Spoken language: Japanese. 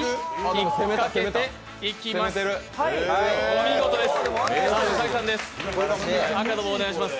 お見事です。